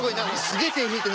すげえ手拭いてる。